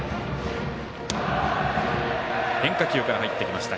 変化球から入ってきました。